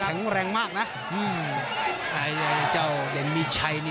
คำเร็งมากนะอือไอ้เห้นมีชัยเนี่ย